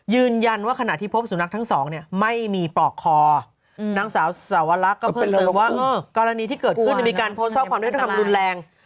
ยืนยันว่าขณะที่พบสู่นักทั้งสองเนี่ยไม่มีปอกคอนางสาวสาวรักษณ์ก็เป็นเรื่องว่ากรณีที่เกิดขึ้นมีการโพสตนโทษความเอาติดตาวรุนแรง